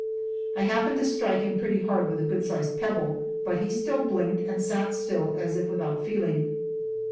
I happened to strike him pretty hard with a good sized pebble, but he still blinked and sat still as if without feeling.